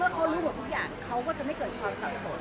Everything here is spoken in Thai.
เขารู้หมดทุกอย่างเขาก็จะไม่เกิดความสับสน